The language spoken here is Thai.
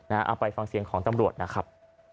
เอาไปฟังเสียงของตำรวจนะครับ